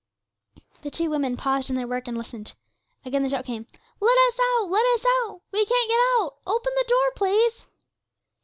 The two women paused in their work and listened. Again the shout came, 'Let us out let us out; we can't get out; open the door, please.'